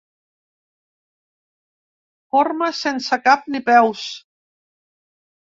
Forma sense cap ni peus.